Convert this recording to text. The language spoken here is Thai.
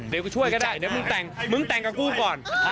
เดี๋ยวก็ช่วยก็ได้เดี๋ยวมึงแต่งกับกูก่อน